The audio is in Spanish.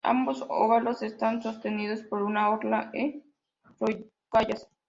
Ambos óvalos están sostenidos por una orla e rocallas.